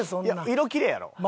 いや色きれいやろ？